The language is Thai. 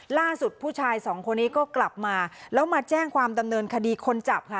ผู้ชายสองคนนี้ก็กลับมาแล้วมาแจ้งความดำเนินคดีคนจับค่ะ